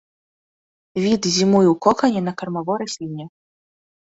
Від зімуе ў кокане на кармавой расліне.